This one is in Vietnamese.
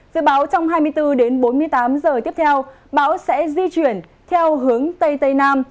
dự báo trong hai mươi bốn đến bốn mươi tám giờ tiếp theo bão sẽ di chuyển theo hướng tây tây nam